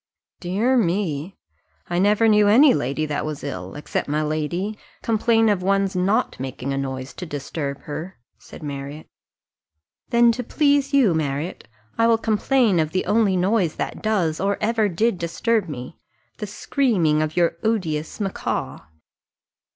"Dear me! I never knew any lady that was ill, except my lady, complain of one's not making a noise to disturb her," said Marriott. "Then to please you, Marriott, I will complain of the only noise that does, or ever did disturb me the screaming of your odious macaw."